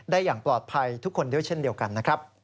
อย่างปลอดภัยทุกคนด้วยเช่นเดียวกันนะครับ